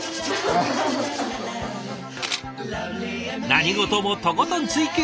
何事もとことん追求。